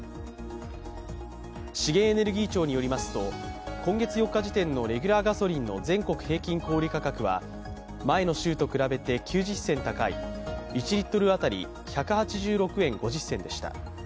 資源エネルギー庁によりますと、今月４日時点のレギュラーガソリンの全国平均小売価格は前の週と比べて９０銭高い１リットル当たり１８６円５０銭でした。